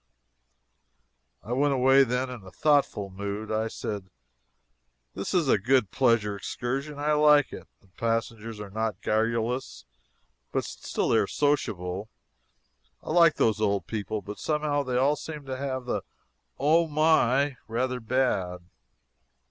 I went away then in a thoughtful mood. I said, this is a good pleasure excursion. I like it. The passengers are not garrulous, but still they are sociable. I like those old people, but somehow they all seem to have the "Oh, my" rather bad.